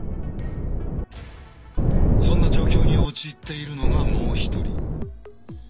そんな状況に陥っているのがもう一人。